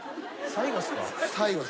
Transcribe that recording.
最後っす。